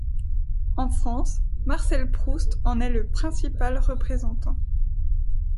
En France, Marcel Proust en est le principal représentant.